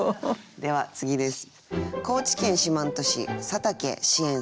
では次です。